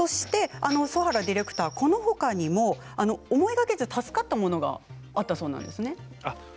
曽原ディレクターはこのほかにも思いがけず助かったものがあったそうですね。